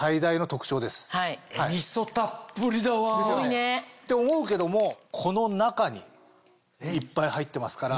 すごいね。って思うけどもこの中にいっぱい入ってますから。